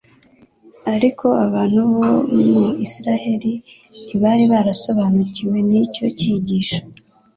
ariko abantu bo mu Isiraheli ntibari barasobanukiwe n'icyo cyigisho.